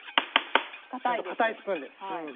硬いスプーンです。